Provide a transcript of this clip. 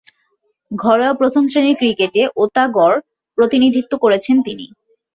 ঘরোয়া প্রথম-শ্রেণীর ক্রিকেটে ওতাগোর প্রতিনিধিত্ব করেছেন তিনি।